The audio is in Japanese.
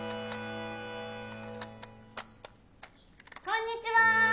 ・・こんにちは。